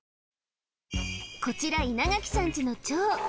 こちら稲垣さんちのちょう